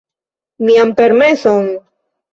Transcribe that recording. Mian permeson?